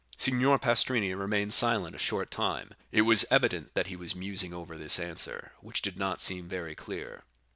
Signor Pastrini remained silent a short time; it was evident that he was musing over this answer, which did not seem very clear.